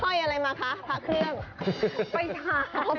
ห้อยอะไรมาท้ะพระเครื่อง